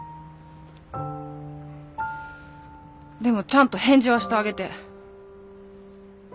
でもちゃんと返事はしてあげて。